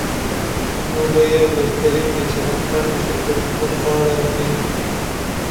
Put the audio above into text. مولوی عبدالکریم د چمرکنډ مشرتوب پر غاړه لري.